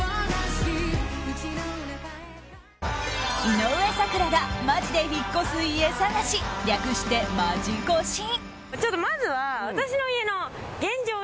井上咲楽がマジで引っ越す家探し略してマジ越し。